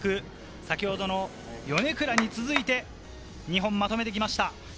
先ほどのヨネクラに続いて２本まとめてきました。